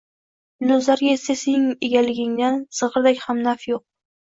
Yulduzlarga esa sening egaligingdan zig‘irdak ham naf yo‘q...